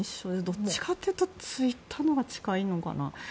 どっちかというとツイッターのほうが近いのかな。